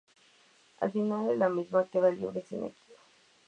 Al final de la misma, queda libre y sin equipo.